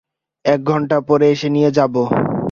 একঘন্টা পরে এসে নিয়ে যাব।